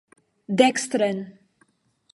Dekstren!